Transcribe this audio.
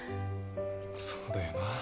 そうだよな。